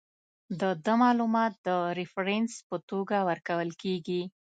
د ده معلومات د ریفرنس په توګه ورکول کیږي.